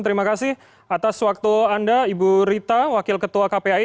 terima kasih atas waktu anda ibu rita wakil ketua kpai